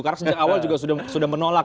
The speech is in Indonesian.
karena sejak awal juga sudah menolak